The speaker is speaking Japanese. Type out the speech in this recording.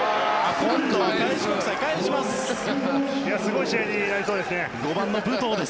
今度は開志国際、返します。